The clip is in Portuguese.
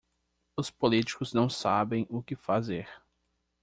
Os politícos não sabem o que fazer.